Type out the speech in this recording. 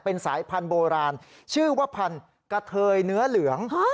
เป็นสายพันธุ์โบราณชื่อว่าพันธุ์กะเทยเนื้อเหลือง